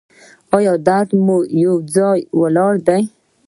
ایا درد مو یو ځای ولاړ دی؟